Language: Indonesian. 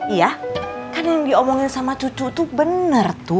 iya kan yang diomongin sama cucu tuh bener tuh